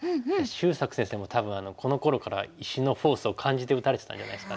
秀策先生も多分このころから石のフォースを感じて打たれてたんじゃないですかね。